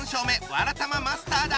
わらたまマスターだ！